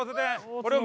これを右。